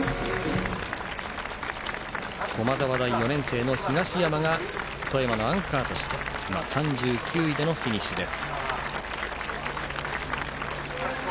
駒沢大４年生の東山が富山のアンカーとして３９位でフィニッシュです。